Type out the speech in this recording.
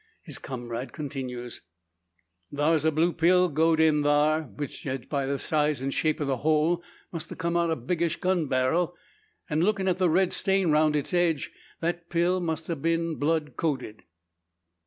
His comrade continues: "Thar's a blue pill goed in thar', which jedgin' by the size and shape o' the hole must a kum out a biggish gun barrel. An', lookin' at the red stain 'roun' its edge, that pill must a been blood coated."